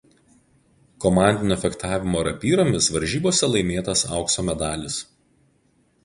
Komandinio fechtavimo rapyromis varžybose laimėtas aukso medalis.